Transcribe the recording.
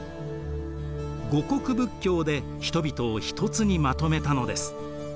護国仏教で人々をひとつにまとめたのです。